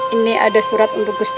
ini ada surat untuk booster